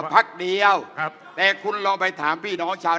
กรรมภักดิ์เดียวแต่คุณลองไปถามท่านพี่น้องชาว